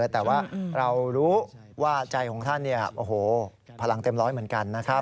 แต่ว่าเรารู้ว่าใจของท่านพลังเต็มร้อยเหมือนกันนะครับ